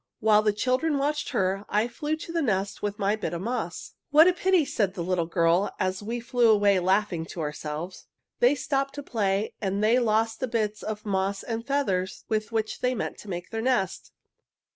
"While the children watched her I flew to the nest with my bit of moss. "'What a pity!' said the little girl, as we flew away laughing to ourselves. 'They stopped to play and they lost the bits of moss and feathers with which they meant to make their nest!'